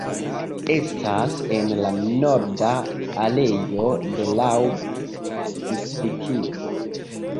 Estas en la norda areo de Raub-distrikto.